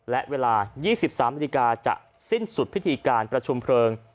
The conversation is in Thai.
และเวลา๒๓นาฬิกาจะสิ้นสุดพิธีการประชุมเพลิง